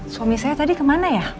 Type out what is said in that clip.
suami saya tadi kemana ya